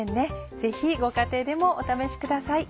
ぜひご家庭でもお試しください。